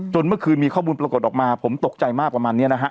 เมื่อคืนมีข้อมูลปรากฏออกมาผมตกใจมากประมาณนี้นะฮะ